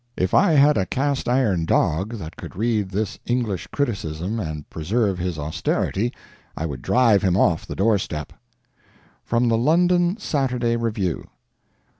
If I had a cast iron dog that could read this English criticism and preserve his austerity, I would drive him off the door step.) (From the London "Saturday Review.")